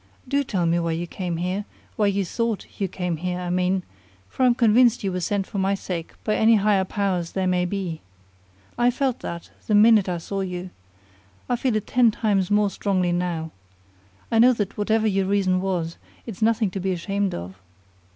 Do tell me why you came here, why you thought you came here, I mean; for I'm convinced you were sent for my sake by any higher powers there may be. I felt that, the minute I saw you. I feel it ten times more strongly now. I know that whatever your reason was, it's nothing to be ashamed of."